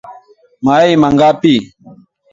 Mayai mangapi?